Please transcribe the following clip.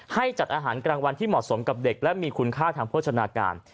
ให้จัดอาหารกลางวันที่เหมาะสมกับเด็กและมีคุณค่าทางโภชนาการ